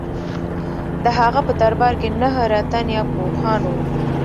د هغه په دربار کې نهه رتن یا پوهان وو.